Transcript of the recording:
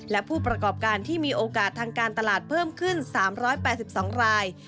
และผู้ประกอบการที่มีโอกาสทางการตลาดเพิ่มขึ้น๓๘๒ราย